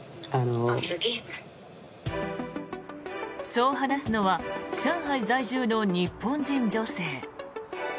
そう話すのは上海在住の日本人女性。